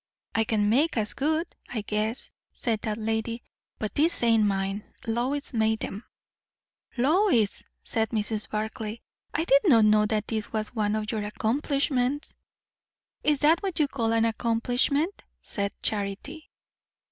"I can make as good, I guess," said that lady; "but these ain't mine. Lois made 'em." "Lois!" said Mrs. Barclay. "I did not know that this was one of your accomplishments." "Is that what you call an accomplishment," said Charity.